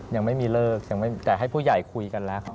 ยังไม่มีเลิกยังไม่แต่ให้ผู้ใหญ่คุยกันแล้ว